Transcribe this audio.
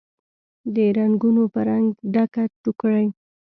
د رنګونوپه رنګ، ډکه ټوکرۍ